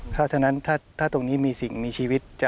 เพราะฉะนั้นถ้าตรงนี้มีสิ่งมีชีวิต